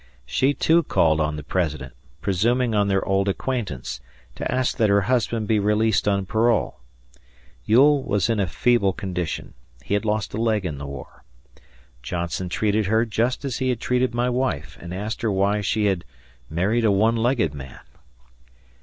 She, too, called on the President, presuming on their old acquaintance, to ask that her husband be released on parole. Ewell was in a feeble condition; he had lost a leg in the war. Johnson treated her just as he had treated my wife, and asked her why she had "married a one legged man."